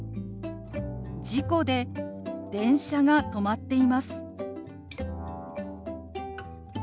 「事故で電車が止まっています」。